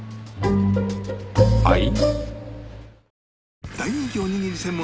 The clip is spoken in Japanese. はい？